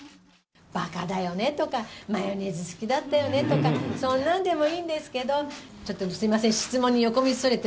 ばかだよねとか、マヨネーズ好きだったよねとか、そんなんでもいいんですけど、ちょっとすみません、質問に横道それて。